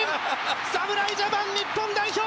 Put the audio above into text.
侍ジャパン、日本代表